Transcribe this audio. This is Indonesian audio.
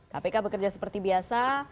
kpk bekerja seperti biasa